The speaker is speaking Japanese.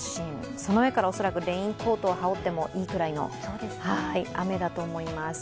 その上から恐らくレインコートを羽織ってもいいくらいの雨だと思います。